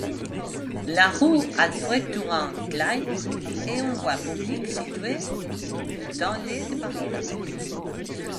La rue Alfred-Durand-Claye est une voie publique située dans le de Paris.